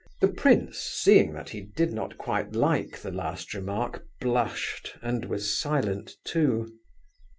The prince, seeing that he did not quite like the last remark, blushed, and was silent too.